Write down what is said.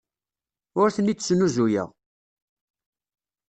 Ur ten-id-snuzuyeɣ.